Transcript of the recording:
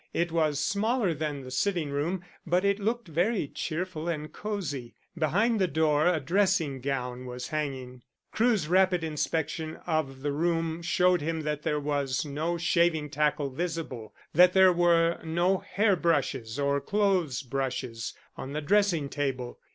It was smaller than the sitting room, but it looked very cheerful and cosy. Behind the door a dressing gown was hanging. Crewe's rapid inspection of the room showed him that there was no shaving tackle visible, and that there were no hair brushes or clothes brushes on the dressing table.